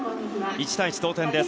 １対１の同点です。